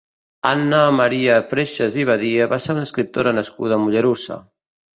Anna Maria Freixes i Badia va ser una escriptora nascuda a Mollerussa.